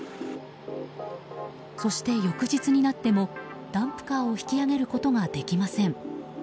そして、翌日になってもダンプカーを引き上げることができません。